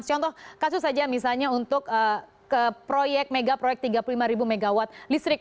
contoh kasus saja misalnya untuk proyek megaproyek tiga puluh lima ribu megawatt listrik